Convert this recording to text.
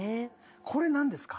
これ何ですか？